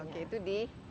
oke itu di